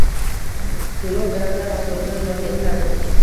to‘lov grantlari asosida joriy etiladi.